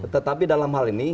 tetapi dalam hal ini